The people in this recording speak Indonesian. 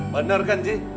bener kan ji